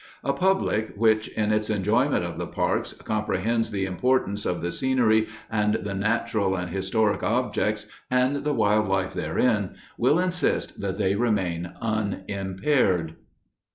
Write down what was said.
A public which, in its enjoyment of the parks, comprehends the importance of "the scenery and the natural and historic objects and the wildlife therein" will insist that they remain unimpaired.